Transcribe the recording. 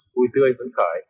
vui tươi vững khởi